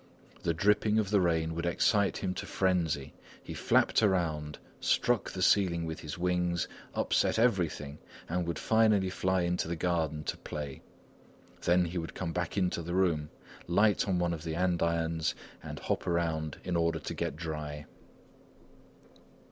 The dripping of the rain would excite him to frenzy; he flapped around, struck the ceiling with his wings, upset everything, and would finally fly into the garden to play. Then he would come back into the room, light on one of the andirons, and hop around in order to get dry.